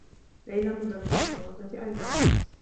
ليلى مدرّسة في الرّوضة أيضا.